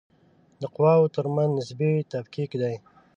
د قواوو ترمنځ نسبي تفکیک